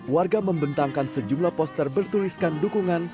warga membentangkan sejumlah poster bertuliskan dukungan